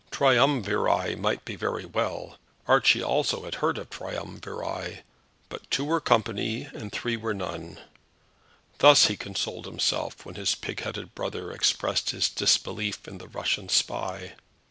Triumviri might be very well; Archie also had heard of triumviri; but two were company, and three were none. Thus he consoled himself when his pigheaded brother expressed his disbelief in the Russian spy.